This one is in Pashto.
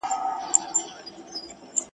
ګل غونډۍ ته، ارغوان ته، چاریکار ته غزل لیکم !.